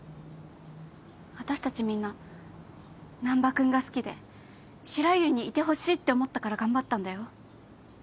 あたしたちみんな難破君が好きで白百合にいてほしいって思ったから頑張ったんだよ。